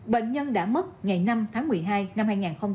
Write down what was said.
bệnh nhân đã mất ngày năm tháng một mươi hai năm hai nghìn hai mươi ba